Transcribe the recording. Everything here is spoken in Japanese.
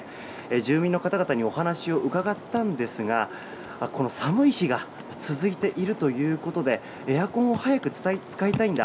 住民の方々にお話を伺ったんですが寒い日が続いているということでエアコンを早く使いたいんだ。